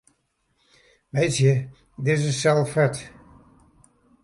Meitsje dizze sel fet.